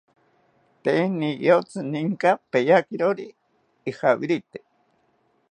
Tee niyotzi ninka peyakirori ijawirite